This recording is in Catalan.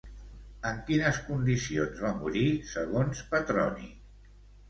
En quines condicions va morir, segons Petroni?